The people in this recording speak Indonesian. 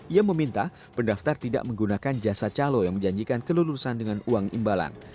ia meminta pendaftar tidak menggunakan jasa calo yang menjanjikan kelulusan dengan uang imbalan